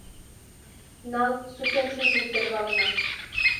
— Нал, сукен шинчын сӧрвалена!